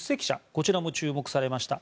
こちらも注目されました。